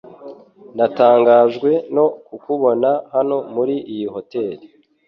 Natangajwe no kukubona hano muri iyi hoteri .